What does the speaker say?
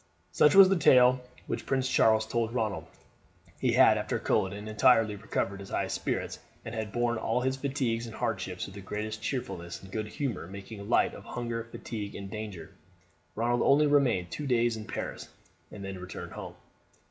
Such was the tale which Prince Charles told to Ronald. He had after Culloden entirely recovered his high spirits, and had borne all his fatigues and hardships with the greatest cheerfulness and good humour, making light of hunger, fatigue, and danger. Ronald only remained two days in Paris, and then returned home.